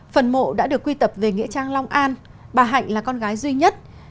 phần mộ đã được quy tập về nghĩa trang long an bà hạnh là con gái duy nhất